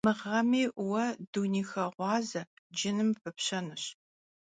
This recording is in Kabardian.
Mı ğemi vue dunêyxeğuaze cınım pıpşenuş.